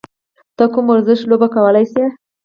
ته کوم ورزش لوبه کولی شې؟